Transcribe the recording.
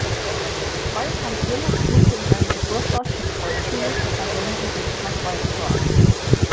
Rolf-Hans Müller besuchte in seinem Geburtsort die Kreuzschule und war Sänger im Dresdner Kreuzchor.